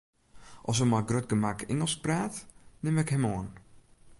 As er mei grut gemak Ingelsk praat, nim ik him oan.